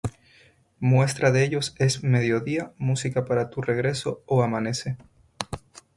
Muestra de ello es "Medio día", "Música para tu regreso" o "Amanece".